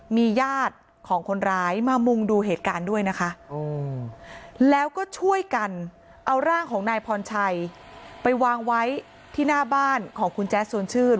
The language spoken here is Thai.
มีญาติของคนร้ายมามุงดูเหตุการณ์ด้วยนะคะแล้วก็ช่วยกันเอาร่างของนายพรชัยไปวางไว้ที่หน้าบ้านของคุณแจ๊สชวนชื่น